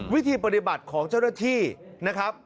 วิธีปฏิบัติของเจ้าหน้าที่นะครับ